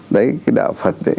đấy cái đạo phật